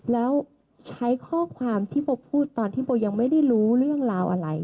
แล้วใช้ข้อความที่โบพูดตอนที่โบยังไม่ได้รู้เรื่องราวอะไร